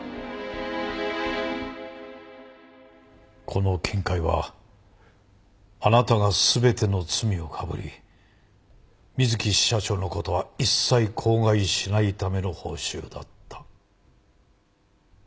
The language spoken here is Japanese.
この金塊はあなたが全ての罪をかぶり水木支社長の事は一切口外しないための報酬だった。